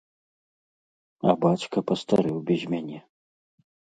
А бацька пастарэў без мяне.